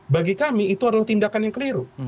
bagi kami itu adalah tindakan yang keliru